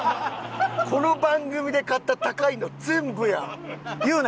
この番組で買った高いの全部やん！